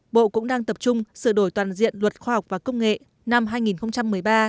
bộ cũng đang tập trung sửa đổi toàn diện luật khoa học và công nghệ năm hai nghìn một mươi ba